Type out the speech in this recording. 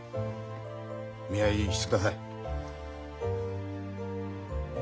見合いしてください。